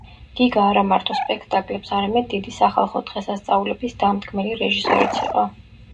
გიგა არამარტო სპექტაკლებს, არამედ დიდი სახალხო დღესასწაულების დამდგმელი რეჟისორიც იყო.